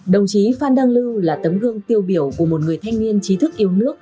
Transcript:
đồng chí phan đăng lưu là tấm gương tiêu biểu của một người thanh niên trí thức yêu nước